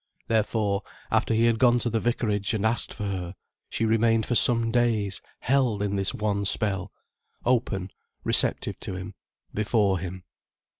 Therefore, after he had gone to the vicarage and asked for her, she remained for some days held in this one spell, open, receptive to him, before him.